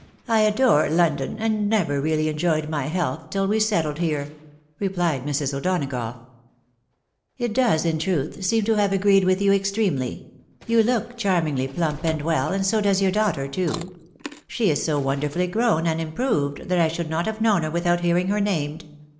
I adore London, and never really enjoyed my health till we settled here," replied Mrs. O'Donagough. " It does, in truth, seem to have agreed with you extremely. XJ 2 324 THE WIDOW MAEHIBD. You look charmingly plump and well, and so does your daughter too ; she is so wonderfully grown and improved, that I should not have known her without hearing her named.